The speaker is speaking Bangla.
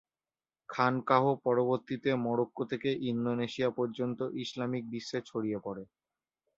খানকাহ পরবর্তীতে মরক্কো থেকে ইন্দোনেশিয়া পর্যন্ত ইসলামিক বিশ্বে ছড়িয়ে পড়ে।